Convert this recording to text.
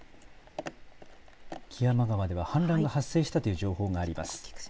木山川では氾濫が発生したという情報があります。